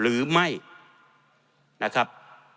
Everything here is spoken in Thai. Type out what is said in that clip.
หรือไม่นะครับ